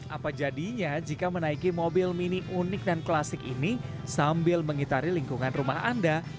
apa jadinya jika menaiki mobil mini unik dan klasik ini sambil mengitari lingkungan rumah anda